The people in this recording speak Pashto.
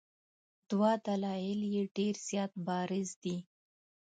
دوه دلایل یې ډېر زیات بارز دي.